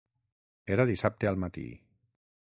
Era dissabte al matí.